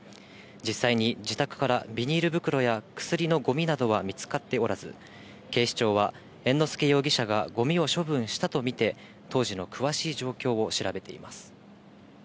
実際に自宅からビニール袋や薬のごみなどは見つかっておらず、警視庁は猿之助容疑者がごみを処分したと見て、当時の詳しい状況を調べています。